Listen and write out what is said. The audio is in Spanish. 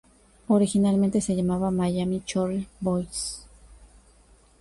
Originalmente se llamaba "Miami Choir Boys".